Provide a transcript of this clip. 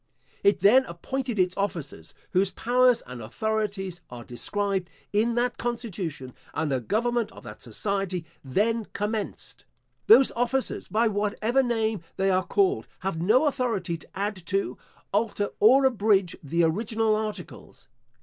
It then appointed its officers, whose powers and authorities are described in that constitution, and the government of that society then commenced. Those officers, by whatever name they are called, have no authority to add to, alter, or abridge the original articles.